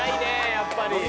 やっぱり。